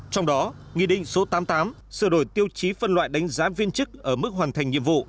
trong đó nghị định số tám mươi tám sửa đổi tiêu chí phân loại đánh giá viên chức ở mức hoàn thành nhiệm vụ